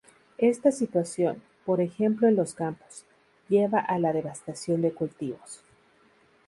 Esta situación, por ejemplo en los campos, lleva a la devastación de cultivos.